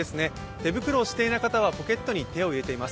手袋をしていない方はポケットに手を入れています。